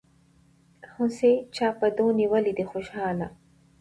هوسۍ چا په دو نيولې دي خوشحاله